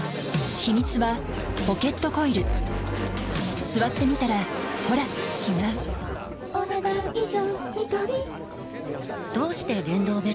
秘密はポケットコイル座ってみたらほら違うお、ねだん以上。